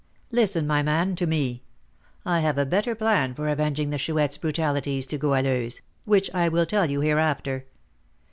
"Listen, my man, to me; I have a better plan for avenging the Chouette's brutalities to Goualeuse, which I will tell you hereafter.